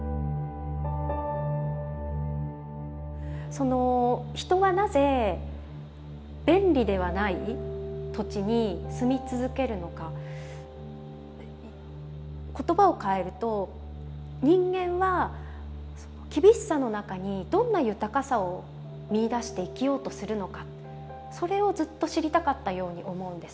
その人はなぜ便利ではない土地に住み続けるのか言葉をかえると人間は厳しさの中にどんな豊かさを見いだして生きようとするのかそれをずっと知りたかったように思うんです。